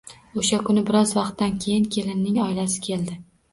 O`sha kuni biroz vaqtdan keyin kelinning oilasi keldi